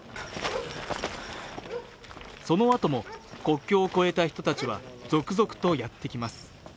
そのあとも国境を越えた人たちは続々とやってきます